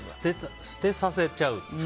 捨てさせちゃう。